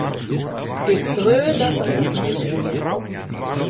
Ik preau dat der wat mis wie.